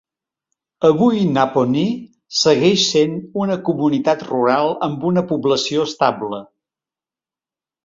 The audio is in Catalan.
Avui Naponee segueix sent una comunitat rural amb una població estable.